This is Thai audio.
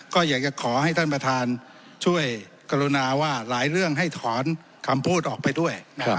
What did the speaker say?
ก็อยากจะขอให้ท่านประธานช่วยกรุณาว่าหลายเรื่องให้ถอนคำพูดออกไปด้วย